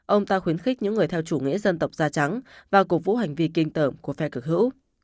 ông ta khuyến khích những người theo chủ nghĩa dân tộc da trắng và cổ vũ hành vi kinh tởm của phe cực hữu